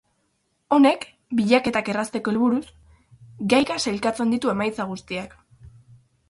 Honek, bilaketak errazteko helburuz, gaika sailkatzen ditu emaitza guztiak.